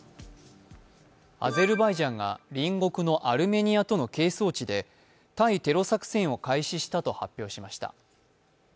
アゼルバイジャンが隣国のアルメニアとの係争地で対テロ作戦を開始したと発表しました。